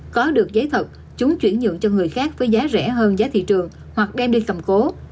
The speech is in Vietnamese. có được giấy thật chúng chuyển nhượng cho người khác với giá rẻ hơn giá thị trường hoặc đem đi cầm cố